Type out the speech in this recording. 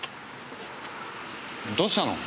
どうしたの？